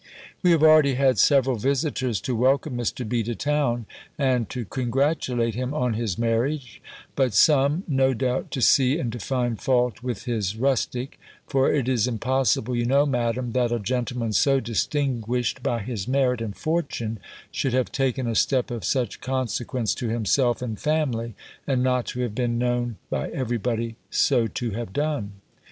We have already had several visitors to welcome Mr. B. to town, and to congratulate him on his marriage; but some, no doubt, to see, and to find fault with his rustic; for it is impossible, you know, Madam, that a gentleman so distinguished by his merit and fortune should have taken a step of such consequence to himself and family, and not to have been known by every body so to have done.